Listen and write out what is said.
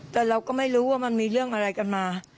แต่เราก็ไม่รู้ว่ามันมีเรื่องอะไรกันมา